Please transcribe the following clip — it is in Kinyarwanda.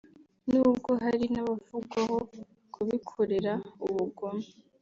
nubwo hari nabavugwaho kubikorera ubugome